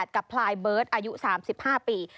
กับพลายเบิร์ตอายุ๓๕ปี